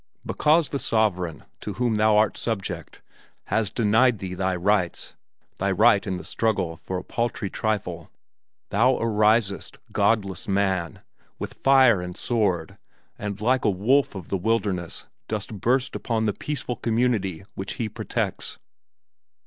Because the sovereign, to whom thou art subject, has denied thee thy rights thy rights in the struggle for a paltry trifle thou arisest, godless man, with fire and sword, and like a wolf of the wilderness dost burst upon the peaceful community which he protects.